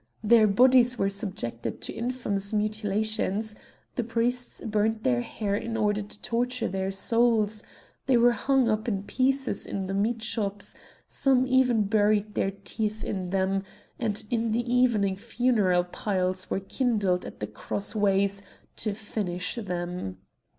Their bodies were subjected to infamous mutilations; the priests burned their hair in order to torture their souls; they were hung up in pieces in the meat shops; some even buried their teeth in them, and in the evening funeral piles were kindled at the cross ways to finish them.